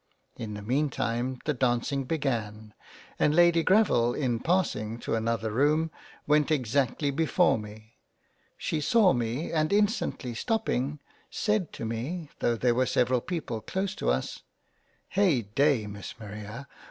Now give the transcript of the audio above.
In the mean time the Dancing began and Lady Greville in passing to another room went exactly before me — She saw me and instantly stopping, said to me though there were several people close to us, " Hey day, Miss Maria